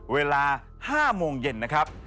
เวลา๕โมงเย็นนะครับ